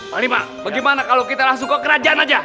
paling mak bagaimana kalau kita langsung ke kerajaan aja